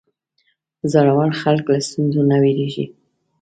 زړور خلک له ستونزو نه وېرېږي.